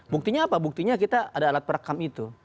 buktinya apa buktinya kita ada alat perekam itu